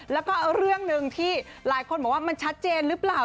แล้วก็เรื่องหนึ่งที่หลายคนบอกว่ามันชัดเจนหรือเปล่า